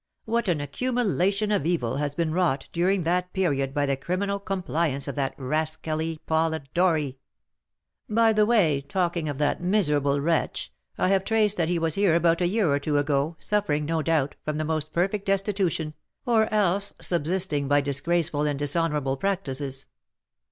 What an accumulation of evil has been wrought during that period by the criminal compliance of that rascally Polidori!" "By the way, talking of that miserable wretch, I have traced that he was here about a year or two ago, suffering, no doubt, from the most perfect destitution, or else subsisting by disgraceful and dishonourable practices."